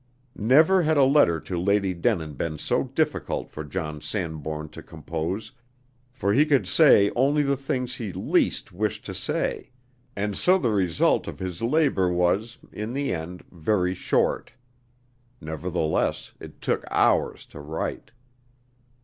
Never had a letter to Lady Denin been so difficult for John Sanbourne to compose, for he could say only the things he least wished to say; and so the result of his labor was, in the end, very short. Nevertheless, it took hours to write.